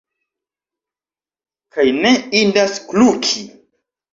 Kaj ne indas kluki.